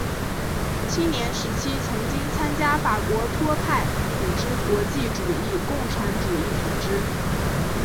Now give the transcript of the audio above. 青年时期曾经参加法国托派组织国际主义共产主义组织。